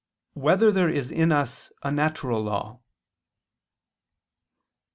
2] Whether There Is in Us a Natural Law?